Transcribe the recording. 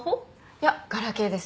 いやガラケーです。